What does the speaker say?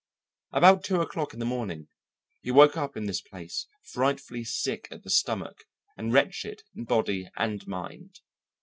About two o'clock in the morning he woke up in this place frightfully sick at the stomach and wretched in body and mind.